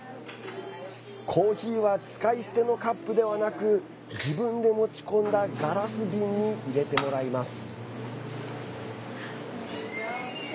コーヒーは使い捨てのカップではなく自分で持ち込んだガラス瓶に入れてもらいます。